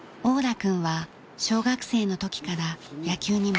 君は小学生の時から野球に夢中でした。